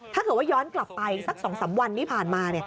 ถ้าเกิดว่าย้อนกลับไปสัก๒๓วันที่ผ่านมา